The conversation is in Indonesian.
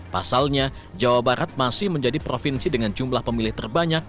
pasalnya jawa barat masih menjadi provinsi dengan jumlah pemilih terbanyak